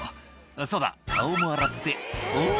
「そうだ顔も洗っておぉ